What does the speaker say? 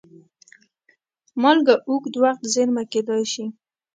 مالګه اوږد وخت زېرمه کېدای شي.